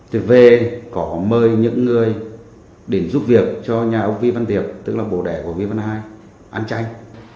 tuyệt về có mời những người đến giúp việc cho nhà ông vi văn tiệp tức là bố đẻ của vi văn hai ăn tranh